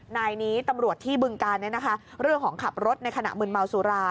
นายนี้ตำรวจที่บึงการเรื่องของขับรถในขณะมืนเมาสุรา